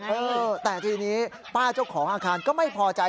เออแต่ทีนี้ป้าเจ้าของอาคารก็ไม่พอใจ